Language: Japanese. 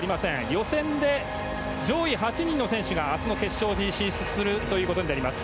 予選で上位８人の選手が明日の決勝に進出するということになります。